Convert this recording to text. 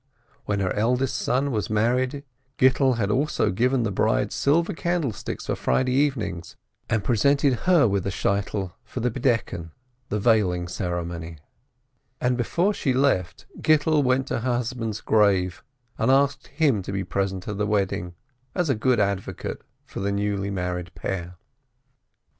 When her eldest son was married, Gittel had also given the bride silver candlesticks for Friday evenings, and presented her with a wig for the Veiling Ceremony. A GLOOMY WEDDING 99 And before she left, Gittel went to her husband's grave, and asked him to be present at the wedding as a good advocate for the newly married pair.